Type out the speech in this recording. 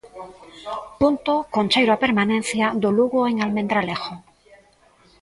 Punto con cheiro a permanencia do Lugo en Almendralejo.